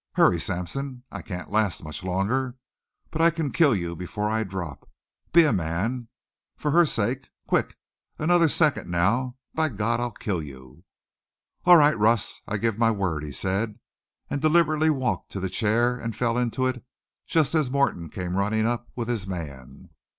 Hurry, Sampson! I can't last much longer. But I can kill you before I drop. Be a man! For her sake! Quick! Another second now By God, I'll kill you!" "All right, Russ! I give my word," he said, and deliberately walked to the chair and fell into it, just as Morton came running up with his man.